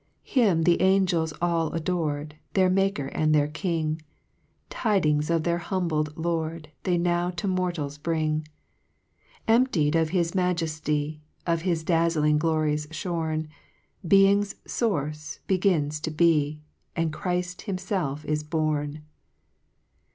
2 Him the angels all ador'd, Their Maker and their King : Tidings of their humbled Lord, They now to mortals bring : Emptied of his majefty, Of his dazzling glories fliorn, Being's Source, begins to be, And Chrift himfelf is born.